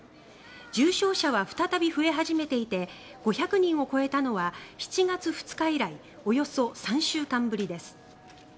重症者は再び増え始めていて５００人を超えたのは７月２日以来およそ３週間ぶりです。